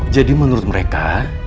jadi menurut mereka